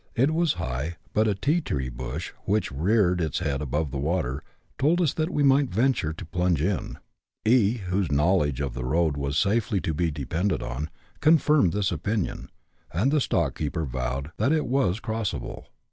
It was high, but a " tea tree " bush, which reared its head above the water, told us that we might venture to plunge in. E , whose knowledge of the road was safely to be depended on, confirmed this opinion, and the stockkeeper vowed that it was " crossable."